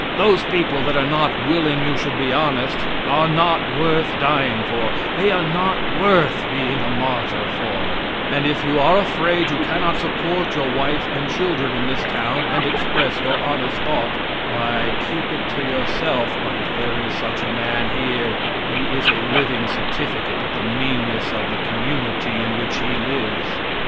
Those people that are not willing you should be honest, are not worth dying for; they are not worth being a martyr for; and if you are afraid you cannot support your wife and children in this town and express your honest thought, why keep it to yourself, but if there is such a man here he is a living certificate of the meanness of the community in which he lives.